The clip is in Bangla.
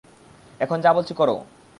এখন যা বলছি করো!